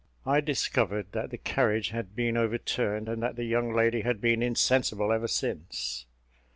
I discovered that the carriage had been overturned, and that the young lady had been insensible ever since.